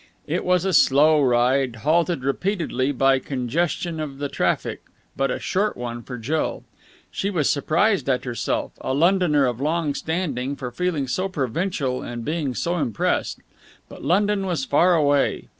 It was a slow ride, halted repeatedly by congestion of the traffic, but a short one for Jill. She was surprised at herself, a Londoner of long standing, for feeling so provincial and being so impressed. But London was far away.